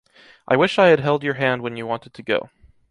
I wish I had held your hand when you wanted to go